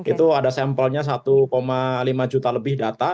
itu ada sampelnya satu lima juta lebih data